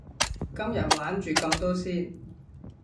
今日玩住咁多先